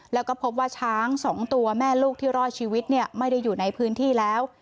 แล้วก็พบว่าช้าง๒ตัวแม่ลูกที่รอดชีวิตไม่ได้อยู่ในพื้นที่แล้ว